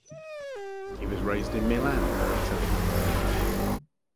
He was raised in Milan, Italy.